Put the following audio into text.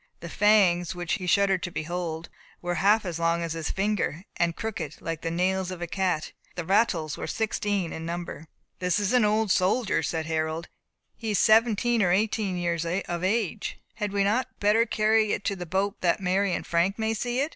The fangs, which he shuddered to behold, were half as long as his finger, and crooked, like the nails of a cat, and the rattles were sixteen in number. "This is an old soldier," said Harold; "he is seventeen or eighteen years of age. Had we not better carry it to the boat that Mary and Frank may see it?